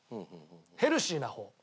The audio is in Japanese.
ヘルシーな方。